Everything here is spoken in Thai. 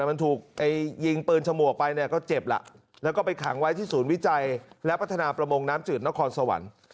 มันถูกยิงปืนฉมวกไปเนี่ยก็เจ็บล่ะแล้วก็ไปขังไว้ที่ศูนย์วิจัยและพัฒนาประมงน้ำจืดนครสวรรค์